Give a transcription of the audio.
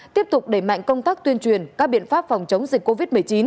tiếp tục đẩy mạnh công tác tuyên truyền các biện pháp phòng chống dịch covid một mươi chín